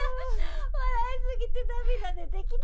笑いすぎて涙出てきた。